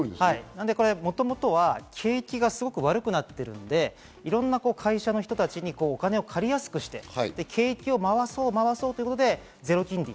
もともとは景気がすごく悪くなっているので、いろんな会社の人たちにお金を借りやすくして、景気を回そう回そうということで、ゼロ金利。